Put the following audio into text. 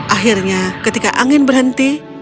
akhirnya ketika angin berhenti